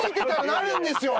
なるんですよ。